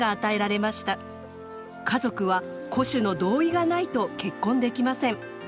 家族は戸主の同意がないと結婚できません。